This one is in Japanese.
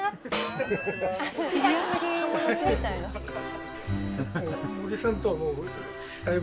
知り合い？